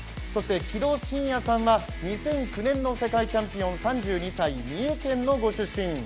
そして城戸慎也さんは２００９年の世界チャンピオン、３２歳、三重県のご出身。